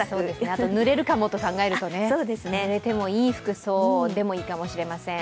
あとぬれるかもと考えるとぬれてもいい服装でもいいかもしれません。